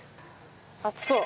熱そう。